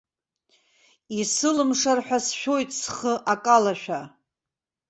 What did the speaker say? Исылымшар ҳәа сшәоит, схы акалашәа.